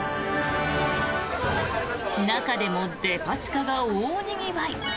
中でもデパ地下は大にぎわい。